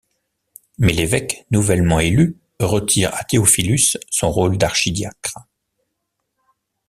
Mais l'évêque nouvellement élu retire à Théophilus son rôle d'archidiacre.